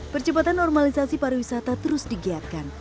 percepatan normalisasi para wisata terus digiatkan